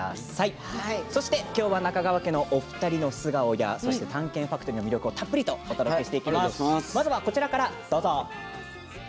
今日は中川家の素顔や「探検ファクトリー」の魅力をたっぷりお届けしていきます。